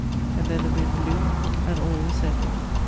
And then the wind blew, and all was ended.